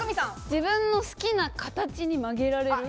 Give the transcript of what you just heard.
自分の好きな形に曲げられる。